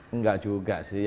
enggak juga sih